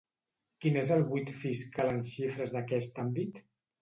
Quin és el buit fiscal en xifres d'aquest àmbit?